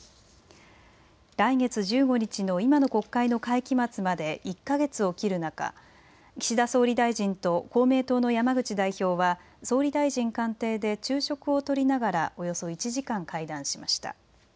来月１５日の今の国会の会期末まで１か月を切る中、岸田総理大臣と公明党の山口代表は総理大臣官邸で昼食をとりながらおよそ１時間会談しました。